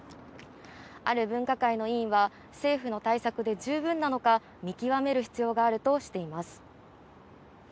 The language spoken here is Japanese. ある分科会の委員は政府の対策で十分なのか見極める必要があるとしています。